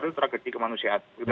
itu tragedi kemanusiaan